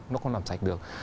nó không làm sạch được